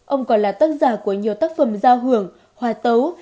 ông còn là tác giả của nhiều tác phẩm giao hưởng hòa tấu